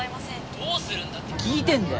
どうするんだって聞いてんだよ！